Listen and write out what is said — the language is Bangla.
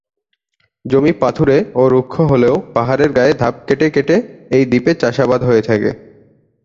জমি পাথুরে ও রুক্ষ হলেও পাহাড়ের গায়ে ধাপ কেটে কেটে এই দ্বীপে চাষাবাদ হয়ে থাকে।